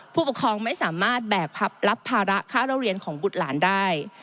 ผู้ปกครองไม่สามารถแบกรับภาระค่าเล่าเรียนของบุตรหลานได้